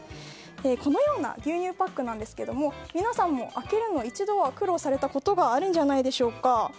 このような牛乳パックですが皆さんも開けるの一度は苦労されたことがあるんじゃないでしょうか。